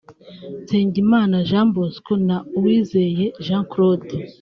Nsengimana Jean Bosco na Uwizeye Jean Claude